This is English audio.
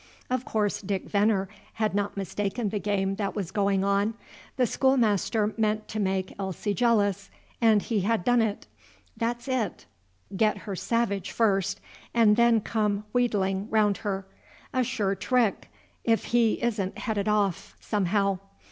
Of course Dick Veneer had not mistaken the game that was going on. The schoolmaster meant to make Elsie jealous, and he had done it. That 's it: get her savage first, and then come wheedling round her, a sure trick, if he isn't headed off somehow.